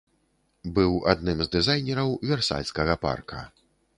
Быў адным з дызайнераў версальскага парка.